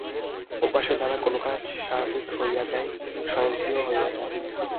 অভ্যাসের দ্বারা কোন কাজ স্বাভাবিক হইয়া যায়, স্বয়ংক্রিয় হইয়া যায়।